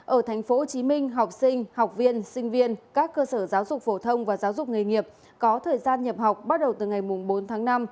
ở tp hcm học sinh học viên sinh viên các cơ sở giáo dục phổ thông và giáo dục nghề nghiệp có thời gian nhập học bắt đầu từ ngày bốn tháng năm